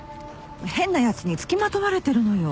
変なやつに付きまとわれてるのよ。